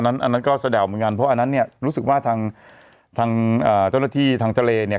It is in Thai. อันนั้นก็สะดาวเหมือนกันเพราะอันนั้นเนี่ยรู้สึกว่าทางทางเจ้าหน้าที่ทางทะเลเนี่ย